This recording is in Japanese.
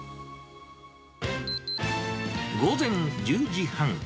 午前１０時半。